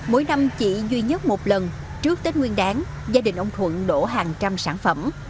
mỗi năm chỉ duy nhất một lần trước tết nguyên đáng gia đình ông thuận đổ hàng trăm sản phẩm